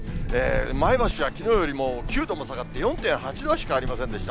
前橋ではきのうよりも９度も下がって４．８度しかありませんでした。